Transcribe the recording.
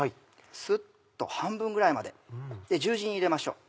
スッと半分ぐらいまで十字に入れましょう。